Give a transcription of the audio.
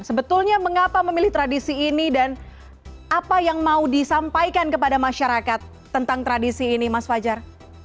sebetulnya mengapa memilih tradisi ini dan apa yang mau disampaikan kepada masyarakat tentang tradisi ini mas fajar